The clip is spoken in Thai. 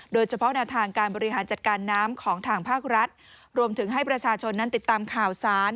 โดยเฉพาะแนวทางการบริหารจัดการน้ำของทางภาครัฐรวมถึงให้ประชาชนนั้นติดตามข่าวสาร